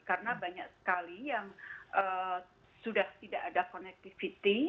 karena banyak sekali yang sudah tidak ada connectivity